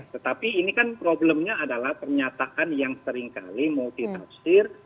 tetapi ini kan problemnya adalah pernyataan yang seringkali multitafsir